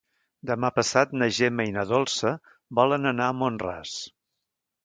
Demà passat na Gemma i na Dolça volen anar a Mont-ras.